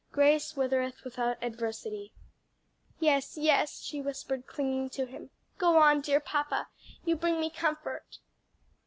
Grace withereth without adversity.'" "Yes, yes," she whispered, clinging to him. "Go on, dear papa, you bring me comfort."